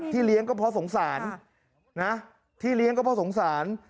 เลี้ยงก็เพราะสงสารนะที่เลี้ยงก็เพราะสงสาร